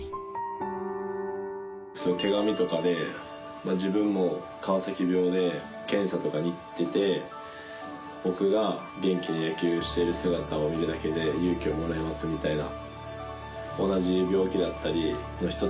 手紙とかで自分も川崎病で検査とかに行ってて僕が元気で野球してる姿を見るだけで勇気をもらえますみたいな。